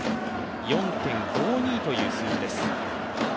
４．５２という数字です。